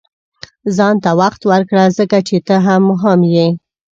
• ځان ته وخت ورکړه، ځکه چې ته هم مهم یې.